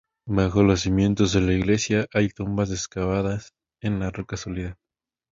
Bajo los cimientos de la iglesia hay tumbas excavadas en la roca sólida.